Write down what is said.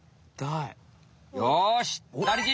よし！